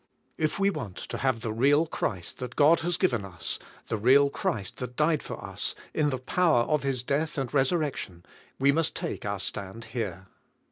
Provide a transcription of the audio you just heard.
If we want to have the real Christ that God has given us, the real Christ that died for us, in the power of His death and resurrection, we must take our stand here.